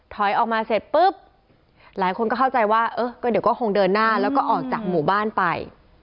ถอยออกมาเสร็จปุ๊บหลายคนก็เข้าใจว่าเออก็เดี๋ยวก็คงเดินหน้าแล้วก็ออกจากหมู่บ้านไป